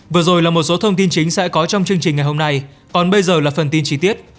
vừa rồi là một số thông tin chính sẽ có trong chương trình ngày hôm nay còn bây giờ là phần tin chi tiết